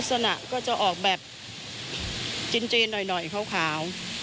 ลักษณะก็จะออกแบบจีนหน่อยขาว